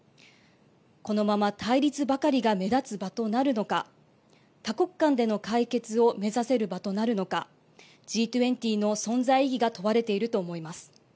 このまま対立ばかりが目立つ場となるのか多国間での解決を目指せる場となるのかＧ２０の存在意義が問われていると思います。